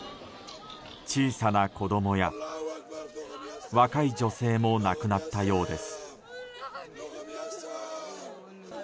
小さな子供や若い女性も亡くなったようです。